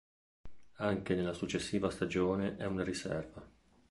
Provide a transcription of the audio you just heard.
Anche nella successiva stagione è una riserva.